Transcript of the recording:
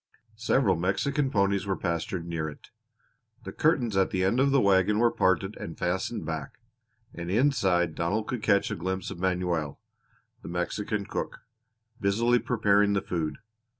Several Mexican ponies were pastured near it. The curtains at the end of the wagon were parted and fastened back and inside Donald could catch a glimpse of Manuel, the Mexican cook, busily preparing the food.